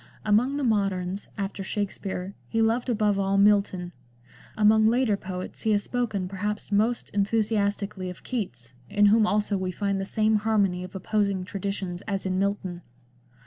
Among the moderns, after Shak spere, he loved above all Milton ; among later poets he has spoken perhaps most enthusiastically of Keats, in whom also we find the same harmony of opposing traditions as in Milton.